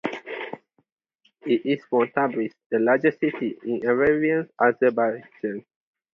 It is from Tabriz, the largest city in Iranian Azerbaijan.